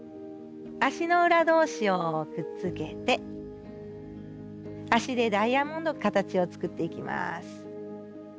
足の裏同士をくっつけて足でダイヤモンドの形を作っていきます。